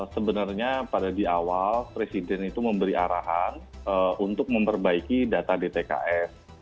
sebenarnya pada di awal presiden itu memberi arahan untuk memperbaiki data dtks